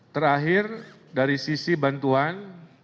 terakhir dari sisi bantuan